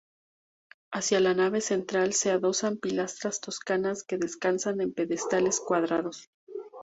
Hacia la nave central se adosan pilastras toscanas que descansan en pedestales cuadrados.